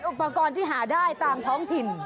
อุปกรณ์ที่หาได้ตามท้องถิ่น